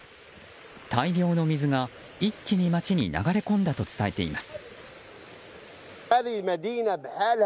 大量の水が一気に街に流れ込んだと伝えています。